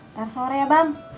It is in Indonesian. ntar sore ya bang